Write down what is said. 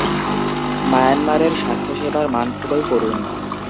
মায়ানমারের স্বাস্থ্যসেবার মান খুবই করুণ।